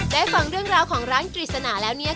ได้ฟังเรื่องราวของร้านกฤษณาแล้วเนี่ย